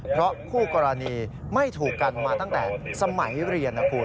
เพราะคู่กรณีไม่ถูกกันมาตั้งแต่สมัยเรียนนะคุณ